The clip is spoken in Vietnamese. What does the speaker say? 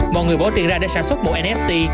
mọi người bỏ tiền ra để sản xuất một nft